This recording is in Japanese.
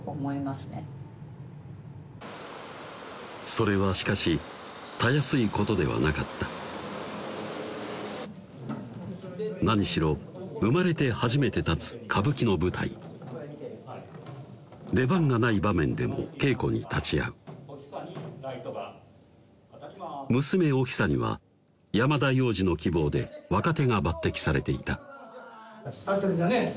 それはそれはしかしたやすいことではなかった何しろ生まれて初めて立つ歌舞伎の舞台出番がない場面でも稽古に立ち会う娘・お久には山田洋次の希望で若手が抜てきされていた「突っ立ってるんじゃねえ！